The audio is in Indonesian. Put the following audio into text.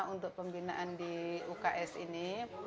untuk pembinaan di uks ini